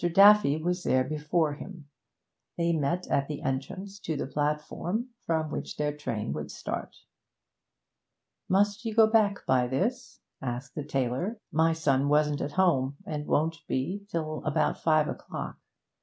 Daffy was there before him; they met at the entrance to the platform from which their train would start. 'Must you go back by this?' asked the tailor. 'My son wasn't at home, and won't be till about five o'clock.